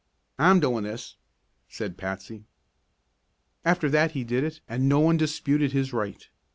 "I'm doin' this," said Patsy. After that he did it and no one disputed his right.